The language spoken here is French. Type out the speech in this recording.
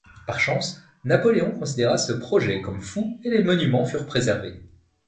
Par chance Napoléon considéra ce projet comme fou et les monuments furent préservés.